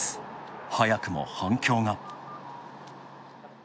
早くも反響が。